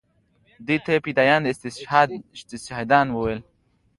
دوی ته یې فدایان یا استشهادیان ویل.